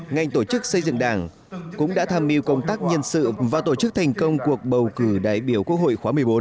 ngành tổ chức xây dựng đảng cũng đã tham mưu công tác nhân sự và tổ chức thành công cuộc bầu cử đại biểu quốc hội khóa một mươi bốn